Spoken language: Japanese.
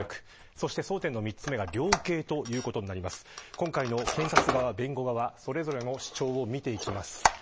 今回の検察側、弁護側それぞれの主張を見ていきます。